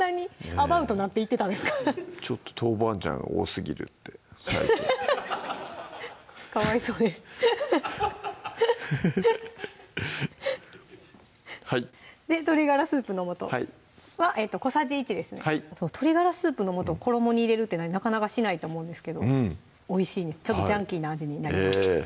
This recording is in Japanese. アバウトなっていってたんですかちょっとトウバンジャンが多すぎるって最近かわいそうですで鶏ガラスープの素は小さじ１ですね鶏ガラスープの素を衣に入れるってなかなかしないと思うんですけどおいしいんですちょっとジャンキーな味になります